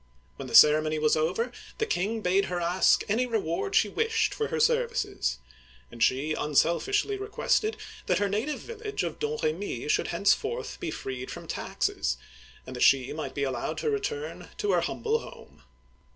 When the ceremony was over, the king bade her ask any reward she wished for her services ; and she unselfishly requested that her native village of Domremy should henceforth be freed from taxes, and that she might be allowed to return to her humble home.